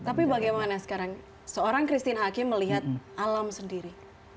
tapi bagaimana sekarang seorang christine hakim melihat alam sendiri